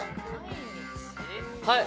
はい！